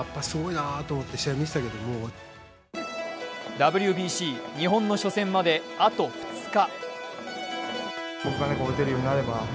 ＷＢＣ日本の初戦まで、あと２日。